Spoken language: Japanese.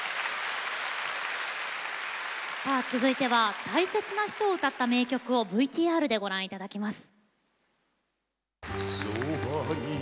続いては大切な人を歌った名曲をＶＴＲでご覧いただきます。